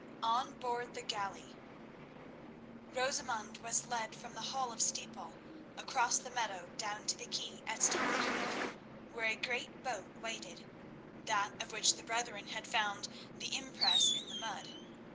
On Board the Galley Rosamund was led from the Hall of Steeple across the meadow down to the quay at Steeple Creek, where a great boat waited—that of which the brethren had found the impress in the mud.